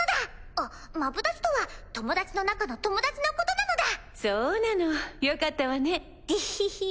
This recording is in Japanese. あっマブダチとは友達の中の友達のこそうなのよかったわねでっへへ！